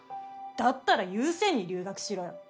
だったら湯専に留学しろよ。